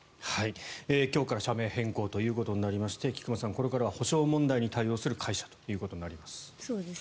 今日から社名変更ということになりまして菊間さん、これからは補償問題に対応する会社となります。